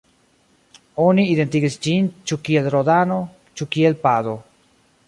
Oni identigis ĝin ĉu kiel Rodano, ĉu kiel Pado.